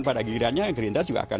pada gilirannya gerindra juga akan